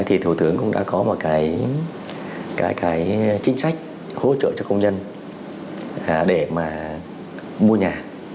thì thủ tướng cũng đã có một cái chính sách hỗ trợ cho công dân để mà mua nhà